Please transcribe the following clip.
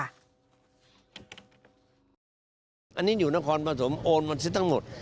อันนี้อยู่นครประสงค์โอนมันจะได้ทั้งหมด